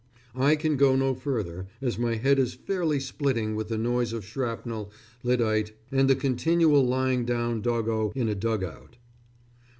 I can go no further, as my head is fairly splitting with the noise of shrapnel, lyddite, and the continual lying down doggo in a dug out.